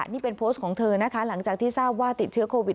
นี่เป็นโพสต์ของเธอนะคะหลังจากที่ทราบว่าติดเชื้อโควิด